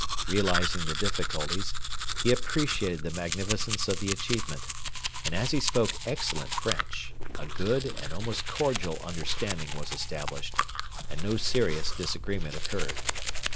Realising the difficulties, he appreciated the magnificence of the achievement; and as he spoke excellent French a good and almost cordial understanding was established, and no serious disagreement occurred.